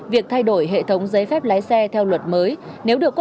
việc thay đổi hệ thống giấy phép lái xe